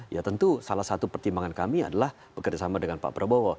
ya tentu salah satu pertimbangan kami adalah bekerjasama dengan pak prabowo